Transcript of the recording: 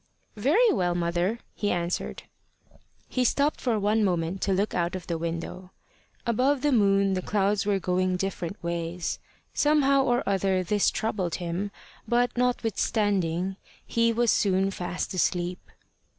"Very well, mother," he answered. He stopped for one moment to look out of the window. Above the moon the clouds were going different ways. Somehow or other this troubled him, but, notwithstanding, he was soon fast asleep.